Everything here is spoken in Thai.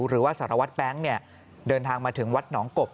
หรือว่าสารวัตรแบงค์เดินทางมาถึงวัดหนองกบ